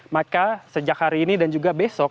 maka sejak hari ini dan juga besok